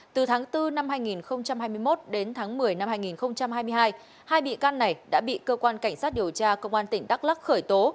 từ tháng bốn năm hai nghìn hai mươi một đến tháng một mươi năm hai nghìn hai mươi hai hai bị can này đã bị cơ quan cảnh sát điều tra công an tỉnh đắk lắc khởi tố